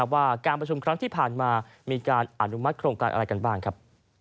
ว่าการประชุมที่ผ่านมามีการอนุมัติของการอะไรครับ